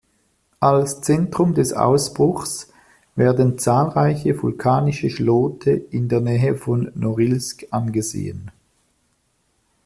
Als Zentrum des Ausbruchs werden zahlreiche vulkanische Schlote in der Nähe von Norilsk angesehen.